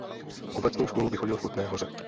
Obecnou školu vychodil v Kutné Hoře.